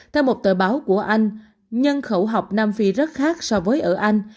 theo một tờ báo của anh nhân khẩu học nam phi rất khác so với ở anh